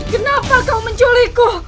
kenapa kau menculikku